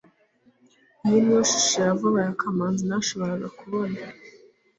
iyi niyo shusho ya vuba ya kamanzi nashoboraga kubona